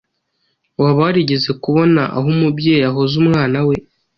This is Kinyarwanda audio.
Waba warigeze kubona aho umubyeyi ahoza umwana we.